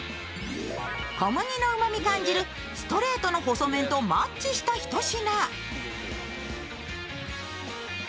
小麦のうまみ感じるストレートの細麺とマッチしたひと品。